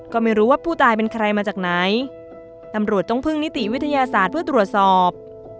ก็ไม่รู้ว่าผู้ตายเป็นใครมาจากไหนตำรวจต้องพึ่งนิติวิทยาศาสตร์เพื่อตรวจสอบ